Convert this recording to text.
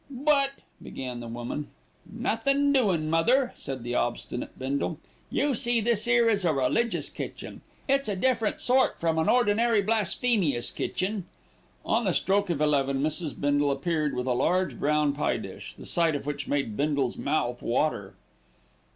"But " began the woman. "Nothin', doin' mother," said the obstinate Bindle. "You see this 'ere is a religious kitchen. It's a different sort from an ordinary blasphemious kitchen." On the stroke of eleven Mrs. Bindle appeared with a large brown pie dish, the sight of which made Bindle's mouth water.